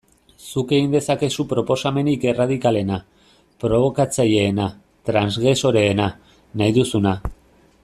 Zuk egin dezakezu proposamenik erradikalena, probokatzaileena, transgresoreena, nahi duzuna...